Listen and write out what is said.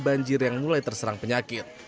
banjir yang mulai terserang penyakit